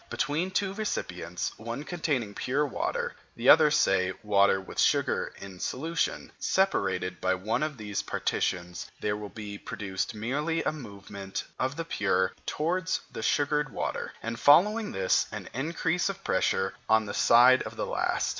Between two recipients, one containing pure water, the other, say, water with sugar in solution, separated by one of these partitions, there will be produced merely a movement of the pure towards the sugared water, and following this, an increase of pressure on the side of the last.